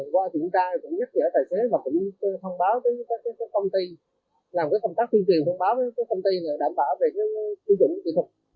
qua thủ đoàn cũng nhắc nhở tài xế và cũng thông báo với các công ty làm công tác tiêu chuẩn thông báo với các công ty đảm bảo về tiêu chuẩn kỹ thuật